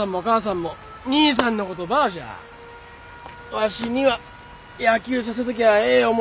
わしには野球させときゃあええ思